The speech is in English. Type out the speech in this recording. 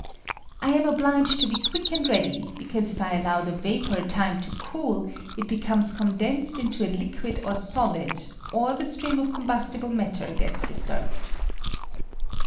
I am obliged to be quick and ready, because if I allow the vapor time to cool, it becomes cou denaed into a liquid or eolid, or the stream of combiistible matter gets disturbed.